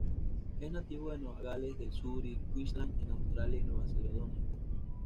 Es nativo de Nueva Gales del Sur y Queensland en Australia y Nueva Caledonia.